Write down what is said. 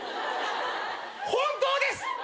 本当です。